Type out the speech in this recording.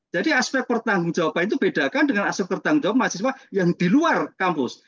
jadi aspek pertanggung jawaban itu bedakan dengan aspek pertanggung jawaban mahasiswa yang di luar kampus